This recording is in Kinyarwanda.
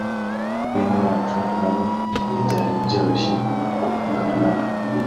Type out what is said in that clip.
Bene wacu na bo ntibyari byoroshye guhungana na bo